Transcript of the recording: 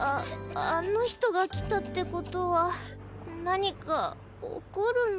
ああの人が来たってことは何か起こるの？